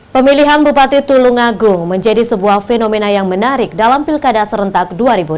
pemilihan bupati tulungagung menjadi sebuah fenomena yang menarik dalam pilkada serentak dua ribu delapan belas